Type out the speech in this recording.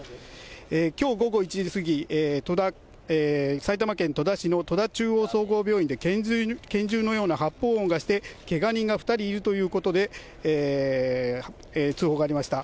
きょう午後１時過ぎ、埼玉県戸田市の戸田中央総合病院で拳銃のような発砲音がして、けが人が２人いるということで、通報がありました。